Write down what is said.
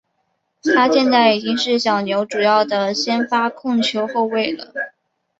他现在已经是小牛主要的先发控球后卫了。